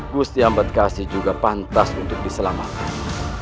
gusti abad kasi juga pantas untuk diselamatkan